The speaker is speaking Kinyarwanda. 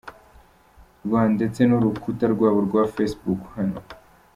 rw ndetse n’urukuta rwabo rwa Facebook hano.